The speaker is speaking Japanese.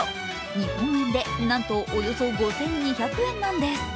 日本円でなんとおよそ５２００円なんです。